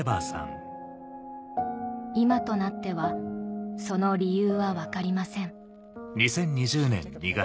今となってはその理由は分かりません